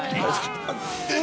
えっ？